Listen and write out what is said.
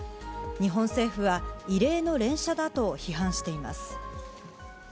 日本政府は、異例の連射だと批判しています。